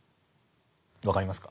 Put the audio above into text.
分かりますか。